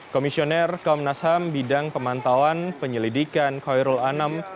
komisioner komnas ham bidang pemantauan penyelidikan khairul anam